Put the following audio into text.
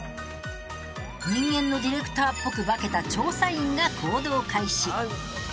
人間のディレクターっぽく化けた調査員が行動開始。